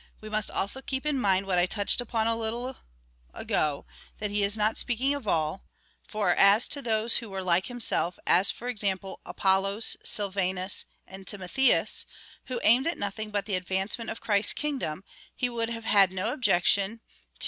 "We must also keep in mind what I touched upon a little ago,^ that he is not speaking of all, (for as to those who were like himself, as, for example, Apollos, Silvanus, and Timo theus, who aimed at nothing but the advancement of Christ's kingdom, he would have had no objection to their being so '" Qu'on^appelle ;"—" As they call it."